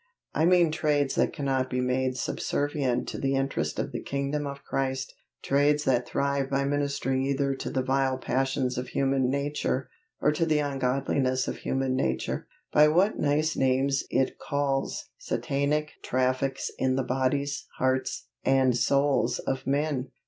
I mean trades that cannot be made subservient to the interest of the kingdom of Christ; trades that thrive by ministering either to the vile passions of human nature, or to the ungodliness of human nature. By what nice names it calls Satanic traffics in the bodies, hearts, and souls of men!